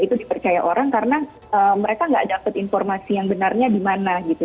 itu dipercaya orang karena mereka nggak dapat informasi yang benarnya di mana gitu